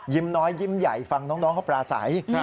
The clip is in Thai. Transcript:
น้อยยิ้มใหญ่ฟังน้องเขาปลาใส